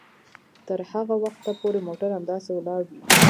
تر هغه وخته پورې موټر همداسې ولاړ وي